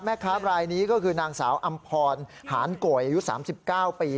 บรายนี้ก็คือนางสาวอำพรหารโกยอายุ๓๙ปี